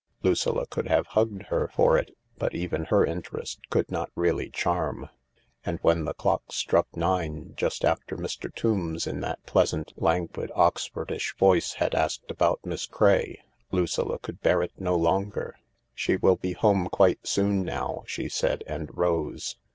Lucilla could have hugged her for it, but even her interest could not really charm. And when the clock struck nine, just after Mr. Tombs in that pleasant, languid, Oxfordish voice had asked about Miss Craye, Lucilla could bear it ho longer. " She will be home quite soon now," she said, and rose.